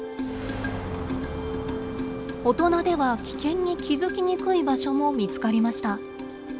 大人では危険に気づきにくい場所も見つかりました。